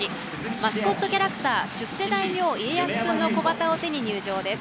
マスコットキャラクター出世大名家康くんの小旗を手に入場です。